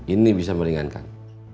ini bisa meringankan